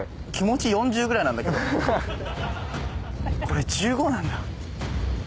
これ１５なんだ。